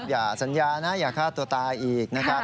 สัญญานะอย่าฆ่าตัวตายอีกนะครับ